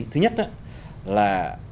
thứ nhất là